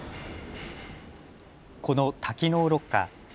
この多機能ロッカー。